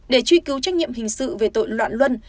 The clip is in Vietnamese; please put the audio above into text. để truy cứu trách nhiệm hình sự về tội loạn luân